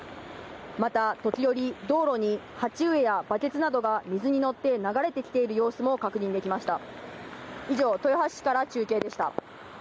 また、時折、道路に鉢植えやバケツなどが水に乗って流れてきている様子も確認できました。